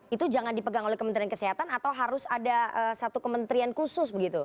itu jangan dipegang oleh kementerian kesehatan atau harus ada satu kementerian khusus begitu